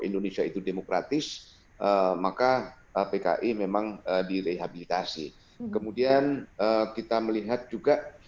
indonesia itu demokratis maka pki memang direhabilitasi kemudian kita melihat juga